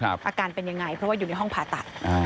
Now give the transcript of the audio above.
อาการเป็นยังไงเพราะว่าอยู่ในห้องผ่าตัด